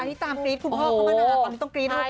อาทิตย์ตามกรี๊ดคุณพ่อก็มาแล้วตอนนี้ต้องกรี๊ดลูก